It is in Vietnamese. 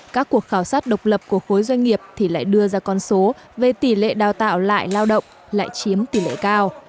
các cuộc khảo sát độc lập của khối doanh nghiệp thì lại đưa ra con số về tỷ lệ đào tạo lại lao động lại chiếm tỷ lệ cao